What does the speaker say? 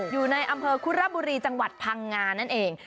อยู่ในอำเภอคุระบุรีจังหวัดพังงานั่นเอง